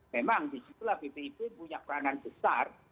memang di situlah bpib punya peranan besar